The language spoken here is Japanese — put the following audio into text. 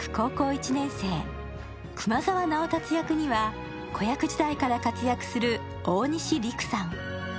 １年生、熊沢直達役には子役時代から活躍する大西利空さん。